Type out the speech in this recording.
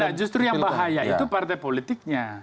ya justru yang bahaya itu partai politiknya